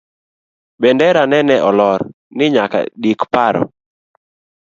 Bendera nene olor, ni nyaka dik paro